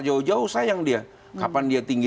jauh jauh sayang dia kapan dia tinggi